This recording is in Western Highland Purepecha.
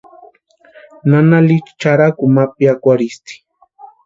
Nana Licha charhakuni ma piakwarhisti.